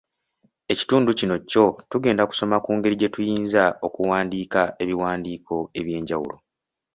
Ekitundu kino kyo tugenda kusoma ku ngeri gye tuyinza okuwandiika ebiwandiiko eby’enjawulo.